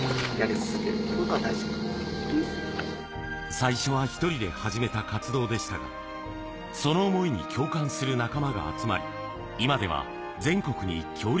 最初は１人で始めた活動でしたが、その想いに共感する仲間が集まり、今では全国に協力